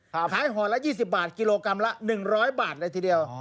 ครับขายห่อละยี่สิบบาทกิโลกรัมละหนึ่งร้อยบาทเลยทีเดียว